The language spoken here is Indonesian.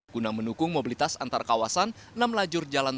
guna menukung mobilitas antarkawasan